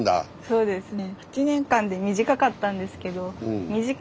そうですね。